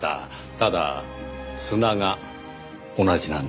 ただ砂が同じなんですよ。